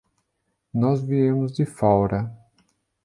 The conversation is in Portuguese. Nós viemos de Faura.